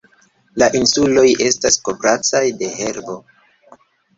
La insuloj estas kovrataj de herbo.